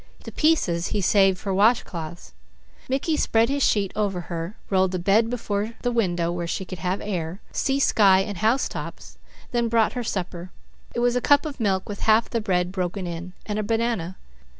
The pieces he saved for washcloths. Mickey spread his sheet over her, rolled the bed before the window where she could have air, see sky and housetops, then brought her supper. It was a cup of milk with half the bread broken in, and a banana.